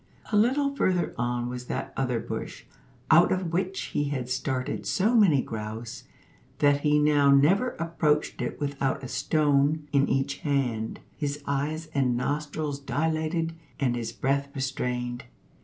A little further on was that other bush out of which he had started so many grouse that he now never approached it without a stone in each hand, his eyes and nostrils dilated, and his breath restrained.